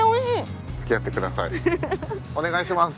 お願いします。